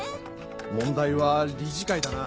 問題は理事会だな。